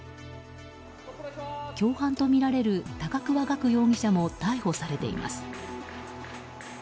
共犯とみられる高桑岳容疑者も逮捕されています。